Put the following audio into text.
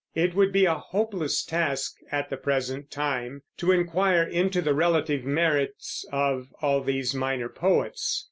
It would be a hopeless task at the present time to inquire into the relative merits of all these minor poets.